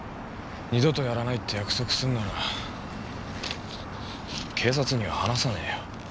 二度とやらないって約束すんなら警察には話さねえよ。